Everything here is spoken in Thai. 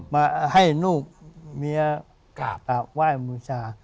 มาให้ลูกเมียกราบไหว้มือชา